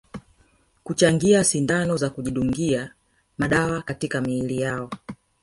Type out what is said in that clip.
Kuchangia sindano za kujidungia madawa katika miili yao